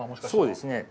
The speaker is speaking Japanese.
そうですね。